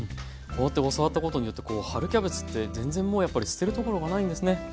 こうやって教わったことによって春キャベツって全然もうやっぱり捨てるところがないんですね。